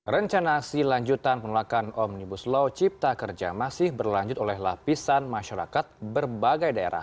rencana si lanjutan penolakan omnibus law cipta kerja masih berlanjut oleh lapisan masyarakat berbagai daerah